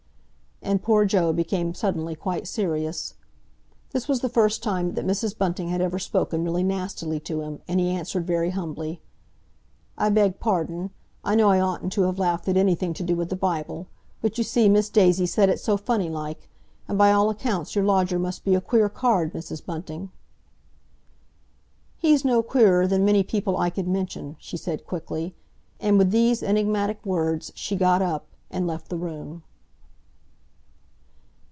And poor Joe became suddenly quite serious. This was the first time that Mrs. Bunting had ever spoken really nastily to him, and he answered very humbly, "I beg pardon. I know I oughtn't to have laughed at anything to do with the Bible, but you see, Miss Daisy said it so funny like, and, by all accounts, your lodger must be a queer card, Mrs. Bunting." "He's no queerer than many people I could mention," she said quickly; and with these enigmatic words she got up, and left the room.